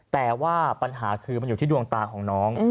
แต่ว่าปัญหาคือมันอยู่ที่ดวงตาของน้อง